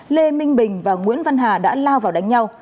lê minh bình và nguyễn văn hà đã lao vào đánh nhau